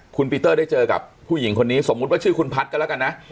คุณปีเตอร์ได้เจอกับผู้หญิงคนนี้สมมุติว่าชื่อคุณพัฒน์กันแล้วกันนะ